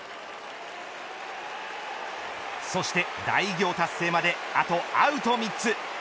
そして大偉業達成まであとアウト３つ。